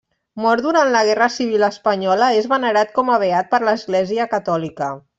Mort durant la Guerra Civil espanyola, és venerat com a beat per l'Església Catòlica.